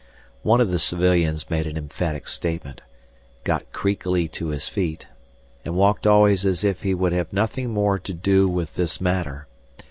One of the civilians made an emphatic statement, got creakily to his feet, and walked always as if he would have nothing more to do with this matter.